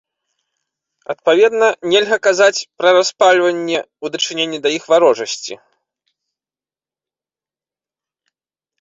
Адпаведна, нельга казаць пра распальванне ў дачыненні да іх варожасці.